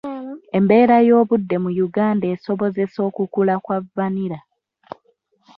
Embeera y'obudde mu Uganda esobozesa okukula kwa vanilla.